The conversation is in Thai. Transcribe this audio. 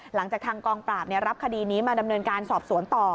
หลังจากทางกองปราบรับคดีนี้มาดำเนินการสอบสวนต่อ